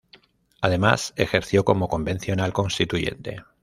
Además ejerció como Convencional Constituyente.